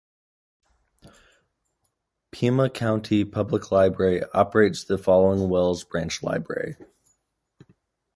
Pima County Public Library operates the Flowing Wells Branch Library.